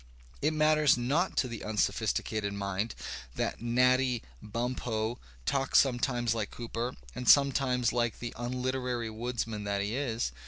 It matters not to the un sophisticated mind that Natty Bumppo talks sometimes like Cooper and sometimes like the unliterary woodsman that he is.